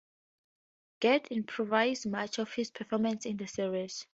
Gad improvised much of his performance in the series.